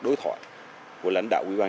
đối thoại của lãnh đạo quỹ ban